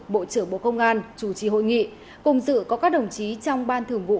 bộ trưởng bộ công an chủ trì hội nghị cùng dự có các đồng chí trong ban thường vụ